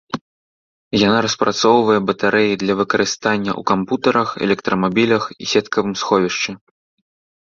Яна распрацоўвае батарэі для выкарыстання ў кампутарах электрамабілях і сеткавым сховішчы.